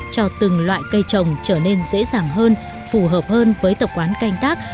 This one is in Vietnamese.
cho từng loại cây trồng trở nên dễ dàng hơn phù hợp hơn với tập quán canh tác